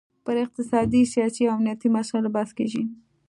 پر اقتصادي، سیاسي او امنیتي مسایلو بحث کیږي